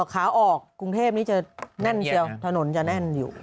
ขาออกกรุงเทพนี้จะแน่นเชียวถนนจะแน่นอยู่